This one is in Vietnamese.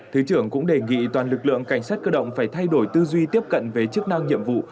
thứ trưởng cũng đề nghị toàn lực lượng cảnh sát cơ động phải thay đổi tư duy tiếp cận về chức năng nhiệm vụ